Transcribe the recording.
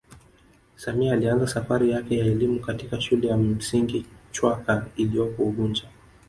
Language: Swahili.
Samia alianza safari yake ya elimu katika shule ya msingi chwaka iloyopo unguja